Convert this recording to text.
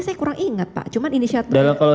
saya kurang ingat pak cuma inisiatornya kalau